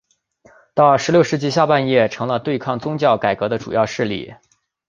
到十六世纪下半叶成了对抗宗教改革的主要势力。